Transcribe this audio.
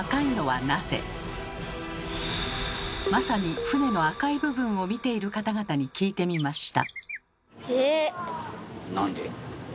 まさに船の赤い部分を見ている方々に聞いてみました。